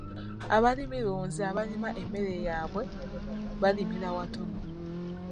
Abalimirunzi abalima emmere eyaabwe balimira watono.